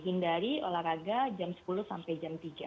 hindari olahraga jam sepuluh sampai jam tiga